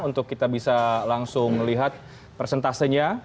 untuk kita bisa langsung lihat persentasenya